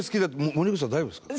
森口さん、大丈夫ですか？